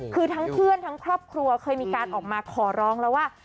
คือทั้งเพื่อนทั้งครอบครัวเคยมีการออกมาขอร้องแล้วว่า